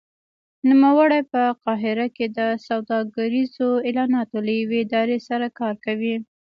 نوموړی په قاهره کې د سوداګریزو اعلاناتو له یوې ادارې سره کار کوي.